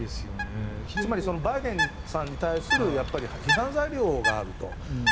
つまりバイデンさんに対する批判材料があると。